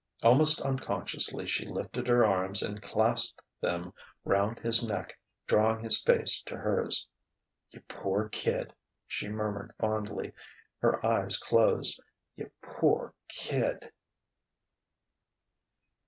Almost unconsciously, she lifted her arms and clasped them round his neck, drawing his face to hers. "You poor kid!" she murmured fondly, her eyes closed.... "You poor kid...."